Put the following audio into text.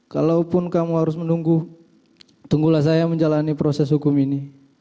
kalaupun kamu harus menunggu tunggulah saya menjalani proses hukum ini